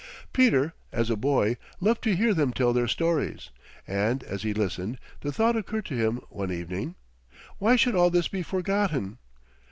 Peter, as a boy, loved to hear them tell their stories, and, as he listened, the thought occurred to him one evening, Why should all this be forgotten?